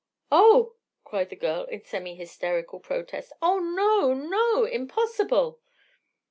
"Oh!" cried the girl in semi hysterical protest. "Oh, no, no! Impossible!"